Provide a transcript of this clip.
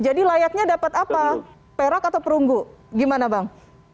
jadi layaknya dapat apa perak atau perunggu gimana bang